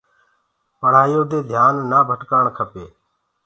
پڙهآيو مي ڌيآن نآ ڀٽڪآڻ ڪپي۔